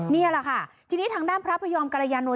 นี่แหละค่ะทีนี้ทางด้านพระพยอมกรยานวล